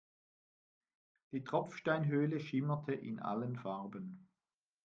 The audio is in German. Die Tropfsteinhöhle schimmerte in allen Farben.